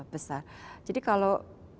besar jadi kalau